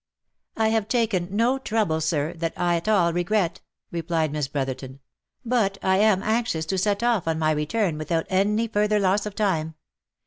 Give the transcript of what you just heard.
" I have taken no trouble, sir, that I at all regret," replied Miss Brotherton, " but I am anxious to set off on my return without any further loss of time.